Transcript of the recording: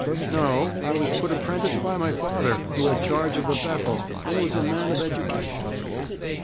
'No. I was put apprentice by my father, who had charge of a Bethel, and was a man of education.'